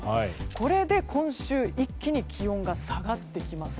これで、今週一気に気温が下がってきます。